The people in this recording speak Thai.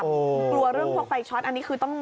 กลัวเรื่องพวกไฟช็อตอันนี้คือต้อง